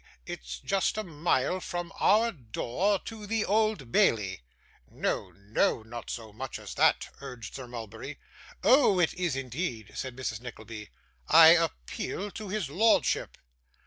It's just a mile from our door to the Old Bailey.' 'No, no. Not so much as that,' urged Sir Mulberry. 'Oh! It is indeed,' said Mrs. Nickleby. 'I appeal to his lordship.